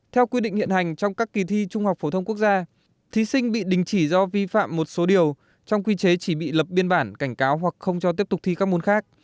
theo quy định hiện hành trong các kỳ thi trung học phổ thông quốc gia thí sinh bị đình chỉ do vi phạm một số điều trong quy chế chỉ bị lập biên bản cảnh cáo hoặc không cho tiếp tục thi các môn khác